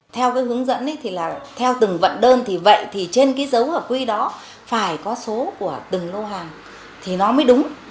theo cái hướng dẫn thì là theo từng vận đơn thì vậy thì trên cái dấu hợp quy đó phải có số của từng lô hàng thì nó mới đúng